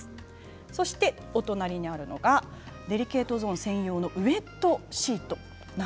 そして、お隣にあるのがデリケートゾーン専用のウエットシート。